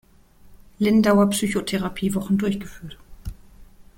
Lindauer Psychotherapiewochen durchgeführt.